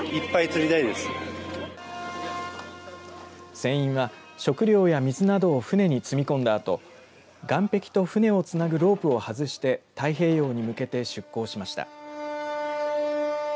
船員は食料や水などを船に積み込んだあと岸壁と船をつなぐロープを外して太平洋に向けて出港しました。